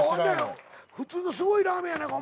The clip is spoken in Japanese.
普通のすごいラーメンやないか。